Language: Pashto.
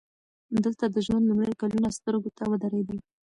دلته د ژوند لومړي کلونه سترګو ته ودرېدل